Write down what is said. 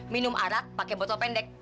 minum arak pakai botol pendek